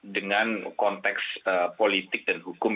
dengan konteks politik dan hukum